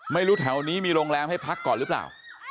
แถวนี้มีโรงแรมให้พักก่อนหรือเปล่า